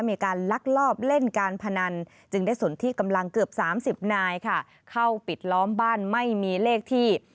ลักลอบเล่นการพนันจึงได้สนที่กำลังเกือบ๓๐นายค่ะเข้าปิดล้อมบ้านไม่มีเลขที่